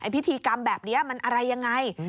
พิธีกรรมแบบนี้มันอะไรยังไง